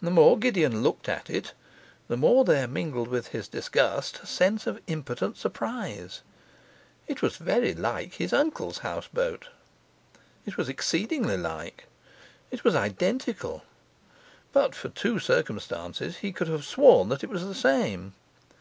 The more Gideon looked at it, the more there mingled with his disgust a sense of impotent surprise. It was very like his uncle's houseboat; it was exceedingly like it was identical. But for two circumstances, he could have sworn it was the same.